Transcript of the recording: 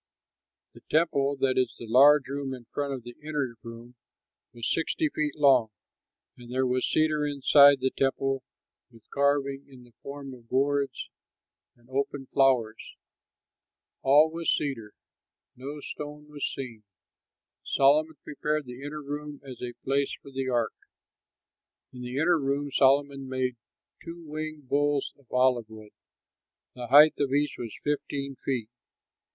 The temple, that is the large room in front of the inner room, was sixty feet long. And there was cedar inside the temple with carving in the form of gourds and open flowers. All was cedar, no stone was seen. Solomon prepared the inner room as a place for the ark. In the inner room Solomon made two winged bulls of olive wood. The height of each was fifteen feet.